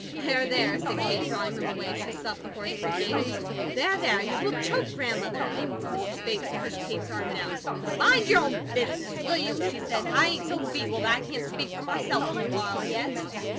"There, there," said Kate, drawing them away as she stopped the horse at the gate. "There, there, you will choke Grandmother." Mrs. Bates pushed Kate's arm down. "Mind your own business, will you?" she said. "I ain't so feeble that I can't speak for myself awhile yet."